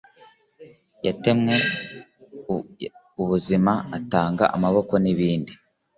yatemye ubu buzima, atanga amaboko n'ikibindi